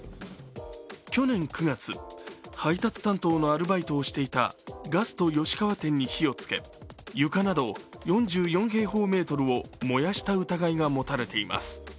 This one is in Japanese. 去年９月、配達担当のアルバイトをしていたガスト吉川店に火を付け床など４４平方メートルを燃やした疑いが持たれています。